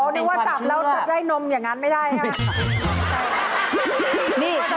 อ๋อนึกว่าจับแล้วจะได้นมอย่างนั้นไม่ได้ครับ